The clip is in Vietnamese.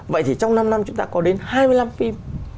vậy thì trong năm năm chúng ta có đến hai mươi năm phim